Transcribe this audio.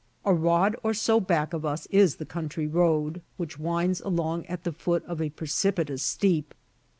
A rod or so back of us is the country road, which winds along at the foot of a precipitous steep.